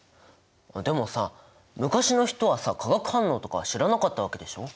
でもさ昔の人はさ化学反応とか知らなかったわけでしょ。